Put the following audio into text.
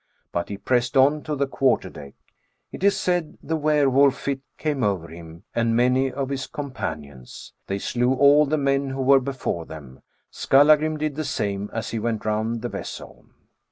But he pressed on to the quarter deck. It is said the were wolf fit came over him and many of his companions. They slew all the men who were before them. Skallagrim did the same as he went ronnd the vessel.